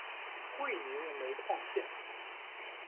会宁煤矿线